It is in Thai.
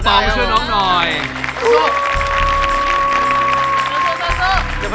กรุงเทพหมดเลยครับ